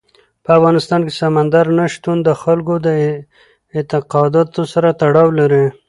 په افغانستان کې سمندر نه شتون د خلکو د اعتقاداتو سره تړاو لري.